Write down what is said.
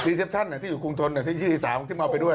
เซปชั่นที่อยู่กรุงทนที่ชื่ออีสานที่เมาไปด้วย